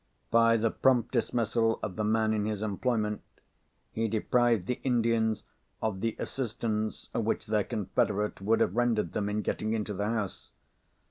By the prompt dismissal of the man in his employment, he deprived the Indians of the assistance which their confederate would have rendered them in getting into the house.